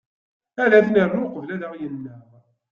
Ad t-nernu uqebl ad ɣ-yennaɣ.